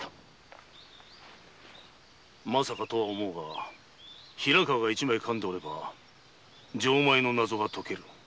まさかとは思うが平川が一枚かんでおれば錠前のナゾは解ける。